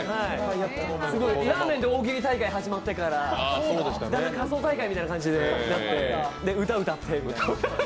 すごいラーメンで大喜利大会始まってから、仮装大会みたいな感じになって歌、歌ってみたいな。